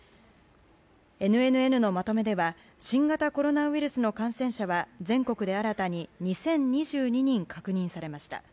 ＮＮＮのまとめでは新型コロナウイルスの感染者は全国で新たに２０２２人、確認されました。